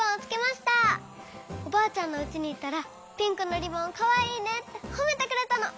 おばあちゃんのうちにいったらピンクのリボンかわいいねってほめてくれたの。